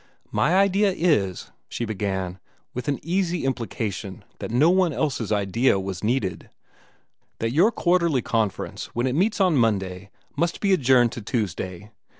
"My idea is," she began, with an easy implication that no one else's idea was needed, "that your Quarterly Conference, when it meets on Monday, must be adjourned to Tuesday.